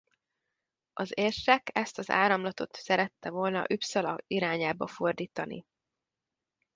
Az érsek ezt az áramlatot szerette volna Uppsala irányába fordítani.